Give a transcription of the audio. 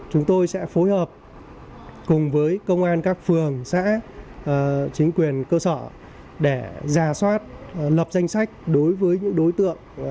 chúng tôi sẽ phối hợp cùng với công an các phường xã chính quyền cơ sở để giả soát lập danh sách đối với những đối tượng